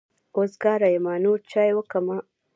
وزګاره يمه نور چای وکمه.